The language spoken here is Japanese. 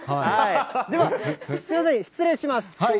では、すみません、失礼します。